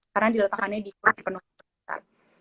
karena diletakannya di kursi penumpang saat itu